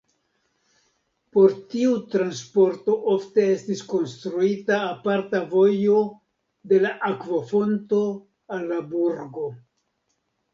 Por tiu transporto ofte estis konstruita aparta vojo de la akvofonto al la burgo.